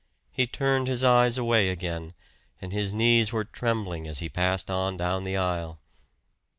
He turned his eyes away again, and his knees were trembling as he passed on down the aisle.